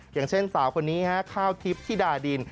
อย่างเช่นสาวคนนี้ฮะข้าวทิพย์ธิดาดิน